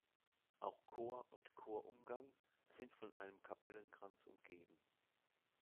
Auch Chor und Chorumgang sind von einem Kapellenkranz umgeben.